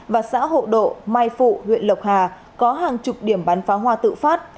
và xã hộ độ mai phụ huyện lộc hà có hàng chục điểm bán pháo hoa tự phát